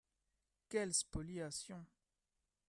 Quelle spoliation